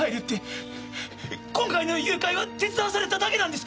今回の誘拐は手伝わされただけなんです！